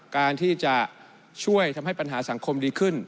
การที่จะช่วยทำให้ปัญหาสังคมดีขึ้น